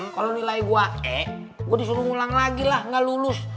kalau nilai gue eh gue disuruh ngulang lagi lah nggak lulus